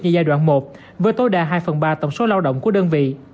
như giai đoạn một với tối đa hai phần ba tổng số lao động của đơn vị